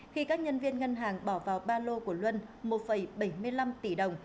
khi các nhân viên ngân hàng bỏ vào ba lô của luân một bảy mươi năm tỷ đồng